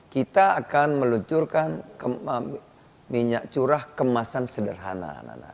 kita akan meluncurkan minyak curah kemasan sederhana